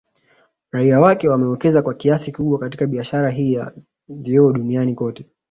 Raia wake wamewekeza kwa kiasi kikubwa katika Biasahara hii ya vioo Dunniani kote